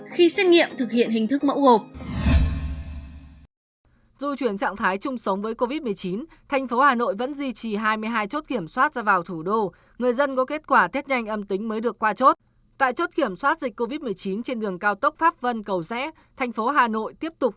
khi xét nghiệm thực hiện hình thức mẫu hộp